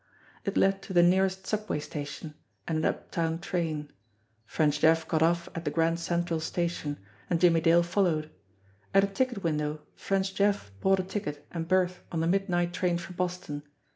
It led to the nearest subway station, and an uptown train. French Jeff got off at the Grand Central Station, and Jimmie Dale followed. At a ticket window, French Jeff bought a ticket and berth on the midnight train for Boston.